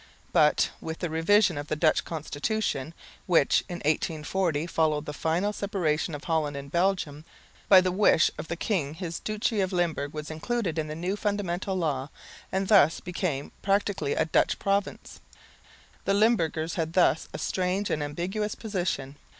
But with the revision of the Dutch constitution, which in 1840 followed the final separation of Holland and Belgium, by the wish of the king his duchy of Limburg was included in the new Fundamental Law, and thus became practically a Dutch province. The Limburgers had thus a strange and ambiguous position.